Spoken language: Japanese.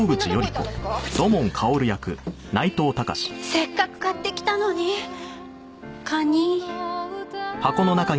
せっかく買ってきたのにカニ。